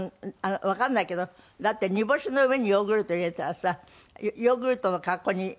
だって煮干しの上にヨーグルト入れたらさヨーグルトの格好に。